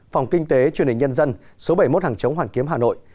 phòng kinh tế truyền hình nhân dân số bảy mươi một hàng chống hoàn kiếm hà nội